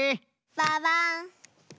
ババン！